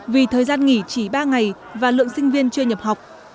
vì thời gian nghỉ chỉ ba ngày và lượng sinh viên chưa nhập học